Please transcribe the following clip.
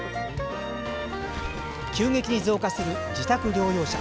急激に増加する自宅療養者。